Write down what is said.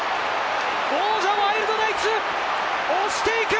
王者・ワイルドナイツ、押していく！